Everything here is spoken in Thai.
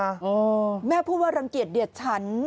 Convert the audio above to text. โอ้แม่พูดว่ารังเกียจเดชัน